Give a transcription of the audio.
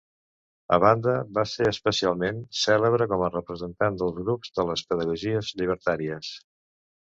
A banda, va ser especialment, cèlebre com a representant dels grups de les pedagogies llibertàries.